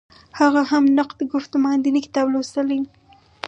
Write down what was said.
هغه هم نقد ګفتمان دیني کتاب لوستلی و.